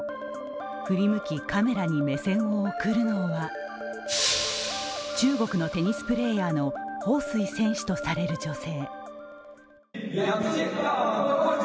振り向き、カメラに目線を送るのは中国のテニスプレーヤーの彭帥選手とされる女性。